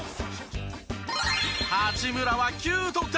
八村は９得点。